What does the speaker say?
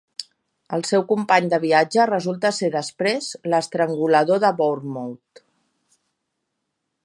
El seu company de viatge resulta ser després l'estrangulador de Bournemouth.